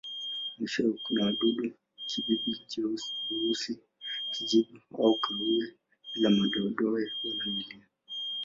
Mwishowe kuna wadudu-kibibi weusi, kijivu au kahawia bila madoa wala milia.